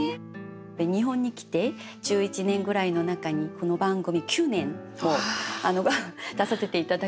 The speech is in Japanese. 日本に来て１１年ぐらいの中にこの番組９年も出させて頂きまして。